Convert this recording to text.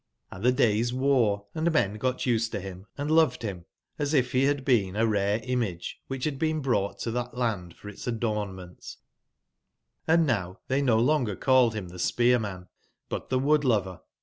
Hnd tbe days wore, & men got used to him, and loved bim as if be had been a rare image which had been brought totbatlandforitsadornment;<Sinowtbeynolonger called bim the Spearman, but the ^ood/lover.